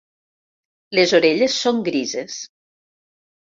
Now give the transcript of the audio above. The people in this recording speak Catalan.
Les orelles són grises.